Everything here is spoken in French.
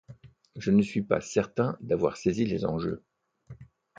Je ne suis pas certain d'avoir saisi les enjeux